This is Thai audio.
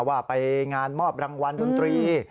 ว่าไปงานมอบรางวัลดนตรี